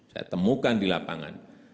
saya temukan di lapangan